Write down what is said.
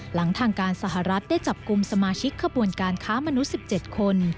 หลังทางการสหรัฐได้จับกลุ่มสมาชิกขบวนการค้ามนุษย์๑๗คน